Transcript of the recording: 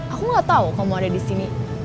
aku nggak tau kamu ada di sini